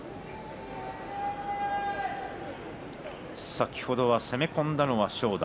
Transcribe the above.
先ほどは攻め込んだのは正代。